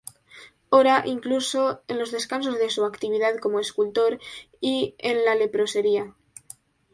Ora, incluso, en los descansos de su actividad como escultor y en la leprosería.